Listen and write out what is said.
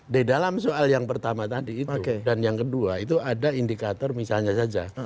di dalam soal yang pertama tadi itu dan yang kedua itu ada indikator misalnya saja